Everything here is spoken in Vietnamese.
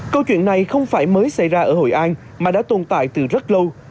câu chuyện này không phải mới xảy ra ở hội an mà đã tồn tại từ rất lâu